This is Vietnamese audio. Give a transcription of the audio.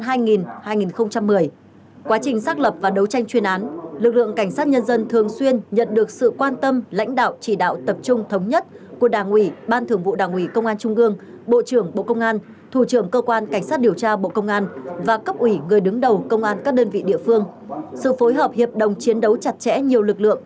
trong giai đoạn hai nghìn một mươi một hai nghìn một mươi quá trình xác lập và đấu tranh chuyên án lực lượng cảnh sát nhân dân thường xuyên nhận được sự quan tâm lãnh đạo chỉ đạo tập trung thống nhất của đảng ủy ban thưởng vụ đảng ủy công an trung ương bộ trưởng bộ công an thủ trưởng cơ quan cảnh sát điều tra bộ công an và cấp ủy người đứng đầu công an các đơn vị địa phương